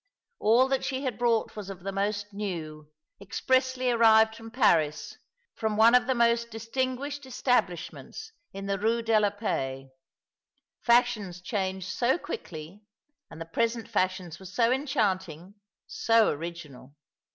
All that she had brought was of the most new — expressly arrived from Paris, from one of the most distinguished establishments in the Rue de la Paix. Fashions change so quickly — and the present fashions were so enchanting, so original.